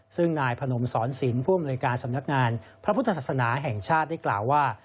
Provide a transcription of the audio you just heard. ซึ่งนายพนมสอนศิลป์ผู้อำนวยการสำนักงานพระพุทธศาสนาแห่งชาติได้กล่าวว่า